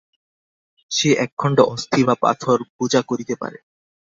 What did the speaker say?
সে একখণ্ড অস্থি বা পাথর পূজা করিতে পারে।